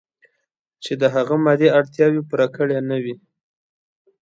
چې د هغه مادي اړتیاوې پوره کړې نه وي.